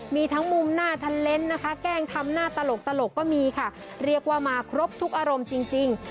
มีทั้งมุมหน้าทันเลนส์นะคะแกล้งทำหน้าตลกก็มีค่ะเรียกว่ามาครบทุกอารมณ์จริง